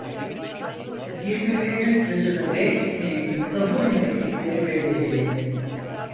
Birbirlerinin sözünü ret mi, kabul mü ettikleri belli değildi.